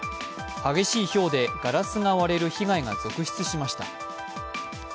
激しいひょうでガラスが割れる被害が続出しました。